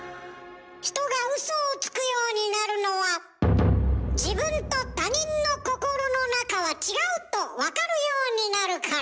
人がウソをつくようになるのは自分と他人の心の中は違うとわかるようになるから。